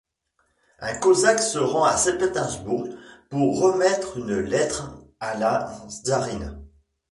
Un cosaque se rend à Saint-Pétersbourg pour remettre une lettre à la tsarine.